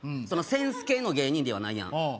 そのセンス系の芸人ではないやんああ